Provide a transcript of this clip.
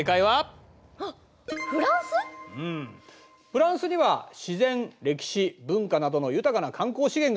フランスには自然歴史文化などの豊かな観光資源がある。